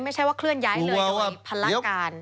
ไม่ใช่ว่าเคลื่อนย้ายเลยโดยภารการ